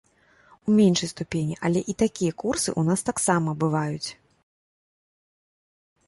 У меншай ступені, але і такія курсы ў нас таксама бываюць.